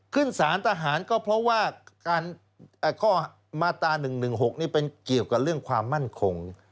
ขึ้นสารทหารก็เพราะว่าการข้อมาตรา๑๑๖นี่เป็นเกี่ยวกับเรื่องความมั่นคง